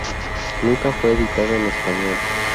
Nunca fue editado en español.